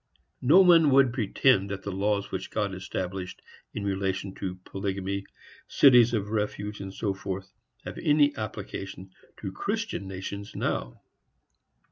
No one would pretend that the laws which God established in relation to polygamy, cities of refuge, &c., have any application to Christian nations now.